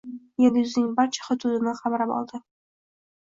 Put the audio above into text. Yer yuzining barcha hududini qamrab oldi.